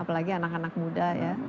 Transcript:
apalagi anak anak muda ya